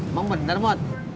emang bener mas